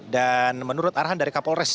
dan menurut arahan dari kapolres